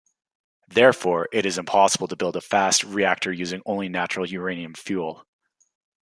Therefore it is impossible to build a fast reactor using only natural uranium fuel.